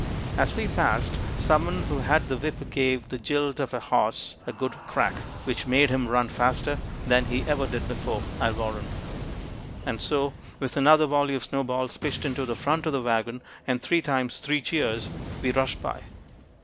As we passed, some one who had the whip gave the jilt of a horse a good crack, which made him run faster than he ever did before, I'll warrant. And so, with another volley of snowballs pitched into the front of the wagon, and three times three cheers, we rushed by.